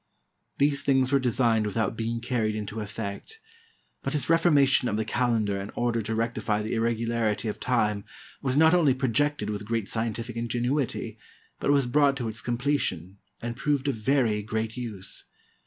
These things were designed without being carried into efifect; but his reformation of the calendar in order to rectify the irregularity of time, was not only projected with great scientific ingenuity, but was brought to its completion, and proved of very great use.